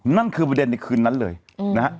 นั่นคือประเด็นในคืนนั้นเลยนะฮะ